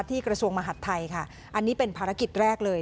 กระทรวงมหัฐไทยค่ะอันนี้เป็นภารกิจแรกเลย